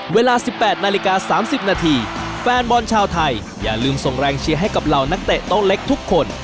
เวลา๑๘นาฬิกา๓๐นาทีแฟนบอลชาวไทยอย่าลืมส่งแรงเชียร์ให้กับเหล่านักเตะโต๊ะเล็กทุกคน